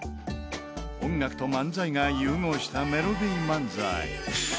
音楽と漫才が融合したメロディー漫才。